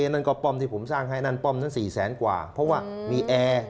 นั่นก็ป้อมที่ผมสร้างให้นั่นป้อมนั้น๔แสนกว่าเพราะว่ามีแอร์